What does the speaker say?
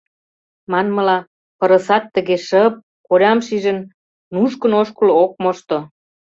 Манмыла, пырысат тыге шып, колям шижын, нушкын-ошкыл ок мошто.